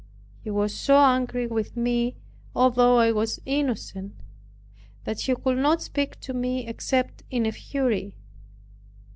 He was so angry with me (although I was innocent), that he could not speak to me except in a fury.